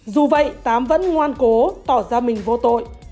dù vậy tám vẫn ngoan cố tỏ ra mình vô tội